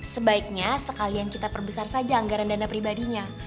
sebaiknya sekalian kita perbesar saja anggaran dana pribadinya